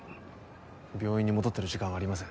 病院に戻ってる時間はありません